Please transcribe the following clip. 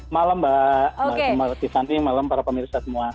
malam mbak tiffanti malam para pemirsa semua